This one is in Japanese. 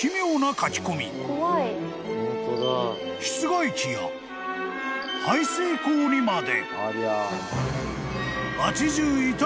［室外機や排水溝にまで］